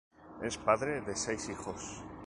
Es padre de seis hijos.